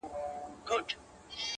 چي د جنګ پر نغارو باندي بل اور سو!!